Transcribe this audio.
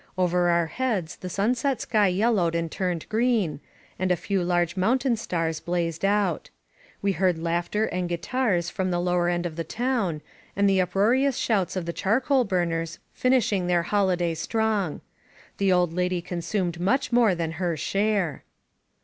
Over our heads the sunset sky yellowed and turned green, and a few large mountain stars blazed out. We heard laughter and guitars from the lower end of the town, and the uproarious shouts of the charcoal burners fin* ishing their holiday strong. The old lady consumed much more than her share.